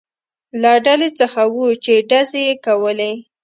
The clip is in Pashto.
له ډلې څخه و، چې ډزې یې کولې.